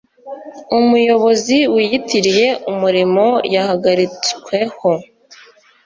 Umuyobozi wiyitiriye umurimo yahagaritsweho